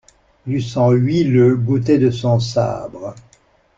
Du sang huileux gouttait de son sabre.